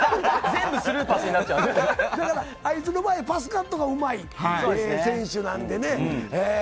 あいつの場合、パスカットがうまい選手なんでね。